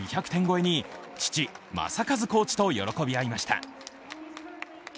２００点超えに父・正和コーチと喜び合いました。